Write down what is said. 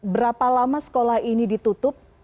berapa lama sekolah ini ditutup